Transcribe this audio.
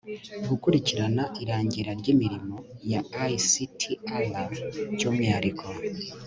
gukurikirana irangira ry'imirimo ya ictr, by'umwihariko